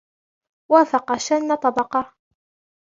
وافق شن طبقة.